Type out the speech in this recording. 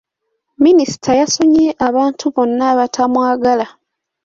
Minisita yasonyiye abantu bonna abatamwagala.